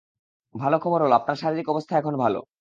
ভালো খবর হলো, আপনার শারীরিক অবস্থা এখন ভালো।